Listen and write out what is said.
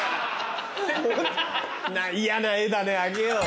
嫌な絵だねあげよう。